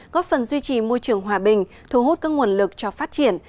góp phần duy trì môi trường hòa bình thu hút các nguồn lực cho phát triển